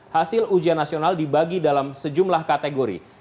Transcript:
hasil ujian nasional dibagi dalam sejumlah kategori